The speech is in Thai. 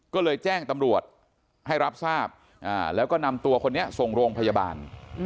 ก็เลยแจ้งตำรวจให้รับทราบแล้วก็นำตัวคนนี้ส่งโรงพยาบาล